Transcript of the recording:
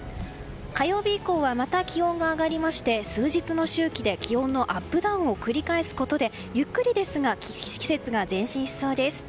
火曜日以降はまた気温が上がりまして数日の周期で、気温のアップダウンを繰り返すことでゆっくりですが季節が前進しそうです。